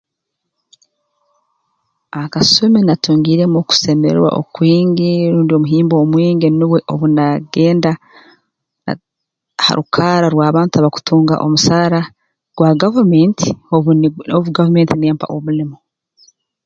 Akasumi natungiiremu okusemererwa okwingi rundi omuhimbo omwingi nubwo obu na genda ha ha rukarra rw'abantu akutunga omusaara gwa gavumenti obu ni obu gavument n'empa omulimo